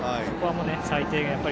そこは最低限で。